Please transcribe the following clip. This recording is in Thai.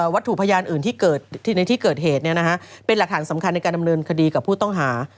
วัตถุพยานอื่นที่เกิดในที่เกิดเหตุเป็นหลักฐานสำคัญในการดำเนินคดีกับผู้ต้องหา